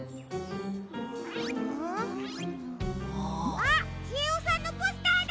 あっちえおさんのポスターだ！